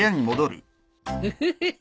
ウフフフ。